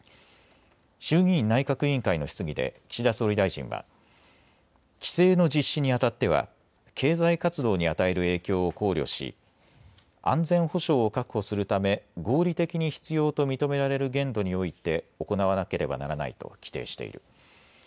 衆議院内閣委員会の質疑で岸田総理大臣は規制の実施にあたっては経済活動に与える影響を考慮し安全保障を確保するため合理的に必要と認められる限度において行わなければならないと規定している。